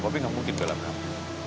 pak pi nggak mungkin bela kamu